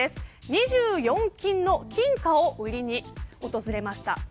２４金の金貨を売りに訪れました。